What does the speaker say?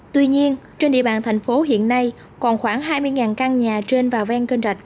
tuy nhiên trên địa bàn thành phố hiện nay còn khoảng hai mươi căn nhà trên và ven kênh rạch